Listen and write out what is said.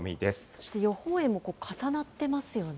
そして予報円も重なっていますよね。